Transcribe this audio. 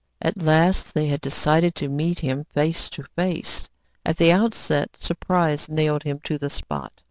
At last they had decided to meet him face to face. At the outset surprise nailed him to the spot.